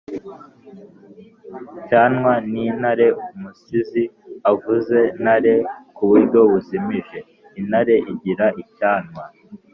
cyanwa: ni ntare umusizi avuze ntare ku buryo buzimije (intare igira icyanwa)